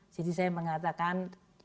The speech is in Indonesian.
jadi saya mengatakan